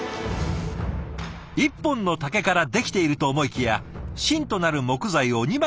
１本の竹からできていると思いきや芯となる木材を２枚の竹で挟んだ